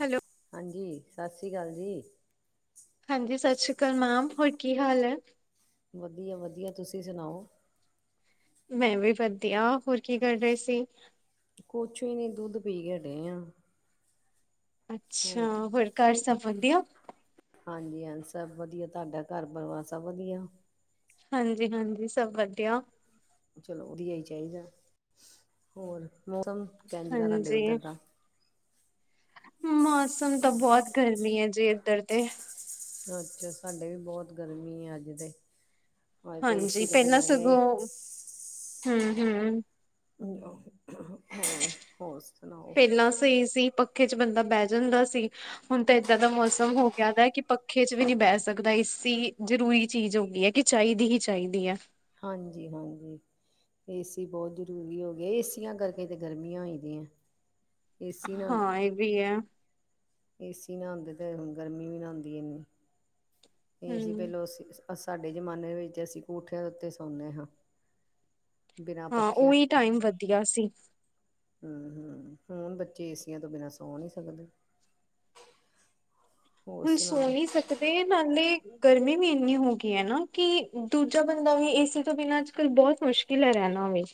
Hello. ਹਾਂਜੀ, ਸਤਿ ਸ੍ਰੀ ਅਕਾਲ ਜੀ। ਹਾਂਜੀ ਸਤਿ ਸ੍ਰੀ ਅਕਾਲ ਮੈਮ, ਹੋਰ ਕੀ ਹਾਲ ਐ? ਵਧੀਆ -ਵਧੀਆ, ਤੁਸੀਂ ਸੁਣਾਓ? ਮੈਂ ਵੀ ਵਧੀਆ, ਹੋਰ ਕੀ ਕਰ ਰਹੇ ਸੀ? ਕੁਛ ਵੀ ਨੀ, ਦੁੱਧ ਪੀ ਕੇ ਹੱਟੇ ਆ। ਅੱਛਾ, ਹੋਰ ਘਰ ਸਭ ਵਧੀਆ? ਹਾਂਜੀ ਹਾਂ, ਸਭ ਵਧੀਆ, ਤੁਹਾਡਾ ਘਰ- ਪਰਿਵਾਰ ਸਭ ਵਧੀਆ? ਹਾਂਜੀ- ਹਾਂਜੀ, ਸਭ ਵਧੀਆ। ਚਲੋ ਵਧੀਆ ਹੀ ਚਾਹੀਦਾ, ਹੋਰ, ਮੋਮ- ਹਾਂਜੀ‌। ਮੌਸਮ ਤਾਂ ਬਹੁਤ ਗਰਮੀ ਐ ਜੀ ਇੱਧਰ ਤੇ। ਅਛਾ, ਸਾਡੇ ਵੀ ਬਹੁਤ ਗਰਮੀ ਆ ਅੱਜ ਤੇ। ਅੱਜ ਤੇ ਹਾਂਜੀ, ਏਸੀ ਤੋਂ ਪਹਿਲਾਂ ਬਿਨਾਂ ਰਿਹਾ ਸਗੋਂ, ਹੂੰ -ਹੂੰ। ਹੋਰ ਸੁਣਾਓ ਪਹਿਲਾਂ ਸਹੀ ਸੀ, ਪੱਖੇ 'ਚ ਬੰਦਾ ਬਹਿ ਜਾਂਦਾ ਸੀ ਹੁਣ ਤਾਂ ਏਦਾਂ ਦਾ ਮੌਸਮ ਹੋ ਗਿਆ ਕਿ ਪੱਖੇ 'ਚ ਵੀ ਨਹੀਂ ਬਹਿ ਸਕਦਾ, ਏਸੀ ਜ਼ਰੂਰੀ ਚੀਜ਼ ਹੋ ਗਈ ਹੈ ਕਿ ਚਾਹੀਦੀ ਹੀ ਚਾਹੀਦੀ ਹੈ। ਹਾਂਜੀ -ਹਾਂਜੀ ਏਸੀ ਬਹੁਤ ਜ਼ਰੂਰੀ ਹੋ ਗਏ, ਏਸੀਆਂ ਕਰਕੇ ਤੇ ਗਰਮੀਆਂ ਹੋਈ ਦੀਆਂ ਏਸੀ ਨਾ ਹੁੰਦੇ, ਹਾਂ ਇਹ ਵੀ ਹੈ ਏਸੀ ਨਾ ਹੁੰਦੇ ਤੇ ਹੁ ਗਰਮੀ ਵੀ ਨਾ ਹੁੰਦੀ ਇੰਨੀ ਨਹੀਂ ਅਸੀਂ ਹਮ ਪਹਿਲੋਂ, ਅਸੀਂ ਸਾਡੇ ਜ਼ਮਾਨੇ ਵਿੱਚ ਅਸੀਂ ਕੋਠਿਆਂ ਦੇ ਉੱਤੇ ਸੌਂਦੇ ਹਾਂ ਬਿਨਾਂ ਹਾਂ ਪੱਖਿਆਂ ਉਹੀ ਟਾਈਮ ਵਧੀਆ ਸੀ। ਹਮ ਹਮ, ਹੁਣ ਬੱਚੇ ਏਸੀਆਂ ਤੋਂ ਬਿਨਾਂ ਸੌ ਨੀ ਸਕਦੇ ਹੋਰ ਹੁਣ ਸੋ ਸੁਣਾਓ? ਨਹੀਂ ਸਕਦੇ, ਨਾਲੇ ਗਰਮੀ ਵੀ ਇੰਨੀ ਹੋ ਗਈ ਹੈ ਨਾ, ਕਿ ਦੂਜਾ ਬੰਦਾ ਵੀ ਏਸੀ ਤੋਂ ਬਿਨਾਂ ਅੱਜ ਕੱਲ੍ਹ ਬਹੁਤ ਮੁਸ਼ਕਿਲ ਹੈ ਰਹਿਣਾ ਵੀ